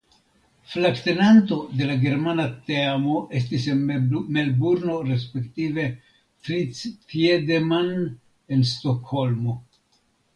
Flagtenanto de la germana teamo estis en Melburno respektive Fritz Thiedemann en Stokholmo.